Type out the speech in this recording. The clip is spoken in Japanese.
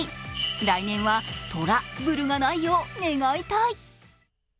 来年はトラブルがないよう願いたい。